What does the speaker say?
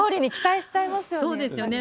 そうですよね。